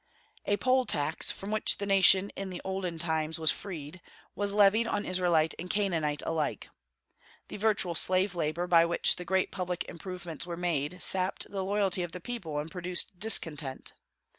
A poll tax, from which the nation in the olden times was freed, was levied on Israelite and Canaanite alike. The virtual slave labor by which the great public improvements were made, sapped the loyalty of the people and produced discontent.